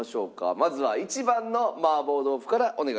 まずは１番の麻婆豆腐からお願いします。